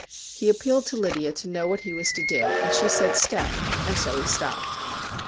He appealed to Lydia to know what he was to do, and she said ' stay,' and so he stopped.